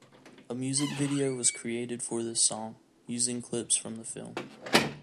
A music video was created for this song, using clips from the film.